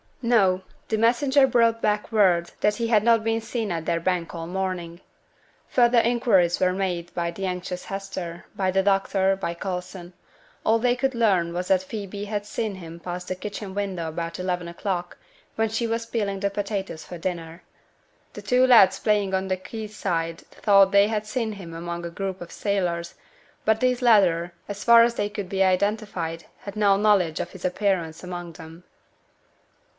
No! the messenger brought back word that he had not been seen at their bank all morning. Further inquiries were made by the anxious Hester, by the doctor, by Coulson; all they could learn was that Phoebe had seen him pass the kitchen window about eleven o'clock, when she was peeling the potatoes for dinner; and two lads playing on the quay side thought they had seen him among a group of sailors; but these latter, as far as they could be identified, had no knowledge of his appearance among them.